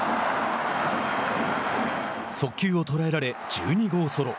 速球を捉えられ１２号ソロ。